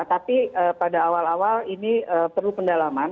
tapi pada awal awal ini perlu pendalaman